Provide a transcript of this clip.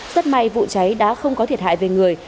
rất may vụ cháy đã không có thiệt hại về người